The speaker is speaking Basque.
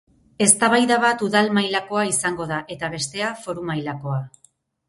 Eztabaida bat udal mailakoa izango da eta bestea foru mailakoa.